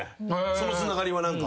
そのつながりは何か。